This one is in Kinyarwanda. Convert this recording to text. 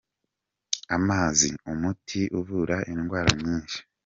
Amazi, umuti uvura indwara nyinshi